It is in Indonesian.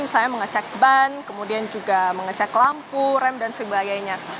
misalnya mengecek ban kemudian juga mengecek lampu rem dan sebagainya